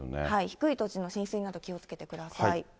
低い土地の浸水など気をつけてください。